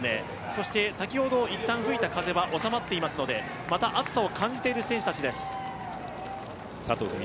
そして先ほどいったん吹いた風は収まっていますのでまた暑さが戻ってきています。